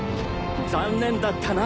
残念だったな。